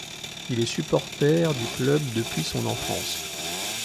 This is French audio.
Il est supporter du club depuis son enfance.